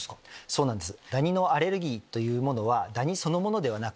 そうなんです。